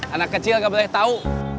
anak kecil gak boleh tahu